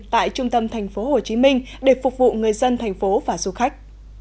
tại trung tâm tp hcm để phục vụ người dân thành phố và du khách